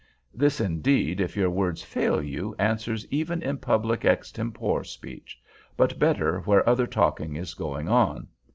This, indeed, if your words fail you, answers even in public extempore speech—but better where other talking is going on.